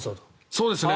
そうですね。